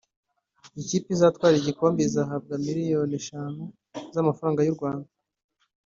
Ikipe izatwara igikombe izahabwa miliyoni eshanu z’amafaranga y’u Rwanda